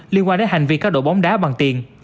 liên quan đến hành vi các đội bóng đá bằng tiền